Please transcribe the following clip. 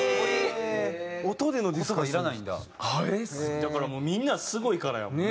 だからもうみんなすごいからやもんな。